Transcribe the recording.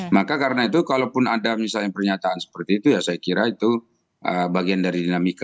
maka karena itu kalaupun ada misalnya pernyataan seperti itu ya saya kira itu bagian dari dinamika